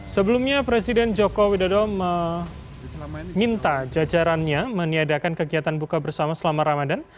sebelumnya presiden joko widodo meminta jajarannya meniadakan kegiatan buka bersama selama ramadan